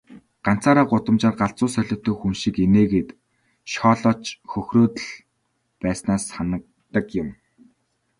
Ганцаараа гудамжаар галзуу солиотой хүн шиг инээгээд, шоолоод ч хөхрөөд л байснаа санадаг юм.